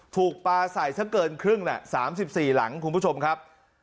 ถูกปาใส่เท่าเกินครึ่ง๓๔หลังคุณผู้ชมครับ